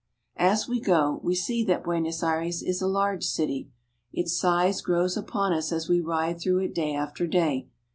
As we go we see that Buenos Aires is a large city. Its size grows upon us as we ride through it day after day.